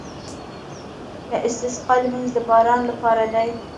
د استسقا لمونځ د باران لپاره دی.